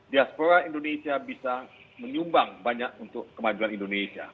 diaspora indonesia bisa menyumbang banyak untuk kemajuan indonesia